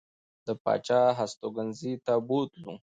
د پاچا هستوګنځي ته بوتلو.